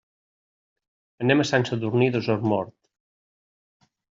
Anem a Sant Sadurní d'Osormort.